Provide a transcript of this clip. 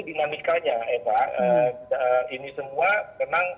dinamikanya eva ini semua memang